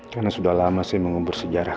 karena sudah lama saya mengubur sejarah kamu